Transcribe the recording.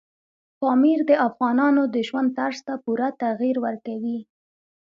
پامیر د افغانانو د ژوند طرز ته پوره تغیر ورکوي.